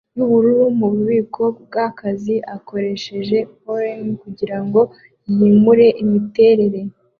yubururu mubikorwa byakazi akoresheje pulley kugirango yimure imiterere